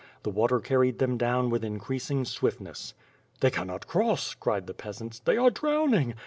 The water car ried them down with increasing swiftness. "They cannot cross," cried the peasants. "They are drowning."